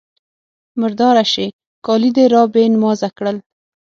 _مرداره شې! کالي دې را بې نمازه کړل.